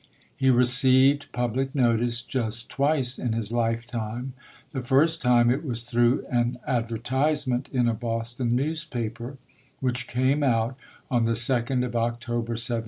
He received public notice just twice in his lifetime. The first time it was through an advertisement in a Boston newspaper, which came out on the second of October, 1750.